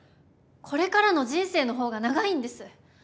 これからの人生の方が長いんです！